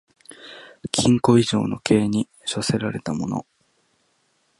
禁錮以上の刑に処せられた者